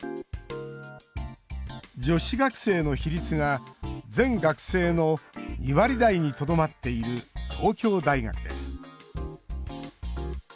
女子学生の比率が全学生の２割台にとどまっている東京大学です。